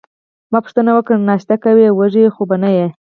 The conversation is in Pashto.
ما پوښتنه وکړه: ناشته کوې، وږې خو به نه یې؟